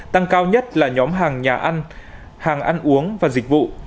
tăng cao nhất là nhóm hàng nhà ăn hàng ăn uống và dịch vụ